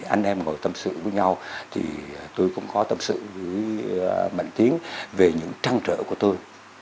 anh em ngồi tâm sự với nhau thì tôi cũng có tâm sự với mạnh tiến về những trăng trở của tôi